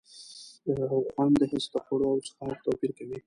د خوند حس د خوړو او څښاک توپیر کوي.